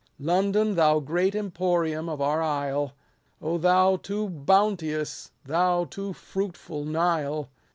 London, thou great emporium of our isle, thou too bounteous, thou too fruitful Mle